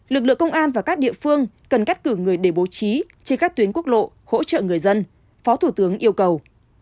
lực lượng công an và các địa phương cần cắt cử người để bố trí trên các tuyến quốc lộ hỗ trợ người dân phó thủ tướng yêu cầu